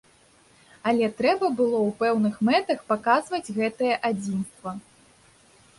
Але трэба было ў пэўных мэтах паказваць гэтае адзінства.